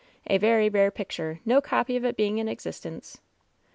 A very rare picture, no copy of it being in existence."